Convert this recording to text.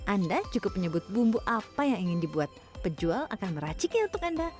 anda cukup menyebut bumbu apa yang ingin dibuat penjual akan meraciknya untuk anda